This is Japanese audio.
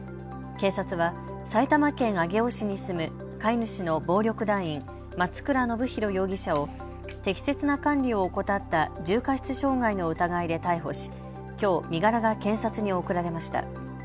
警察は埼玉県上尾市に住む飼い主の暴力団員、松倉信弘容疑者を適切な管理を怠った重過失傷害の疑いで逮捕しきょう身柄が検察に送られました。